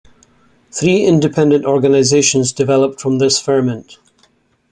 Three independent organizations developed from this ferment.